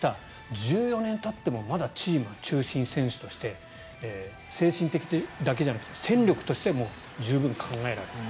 １４年たってもまだチームの中心選手として精神的だけじゃなくて戦力としても十分考えられている。